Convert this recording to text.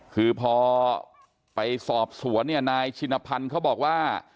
คือพอไปสอบสวนินพชิณพันธ์เขาบอกว่า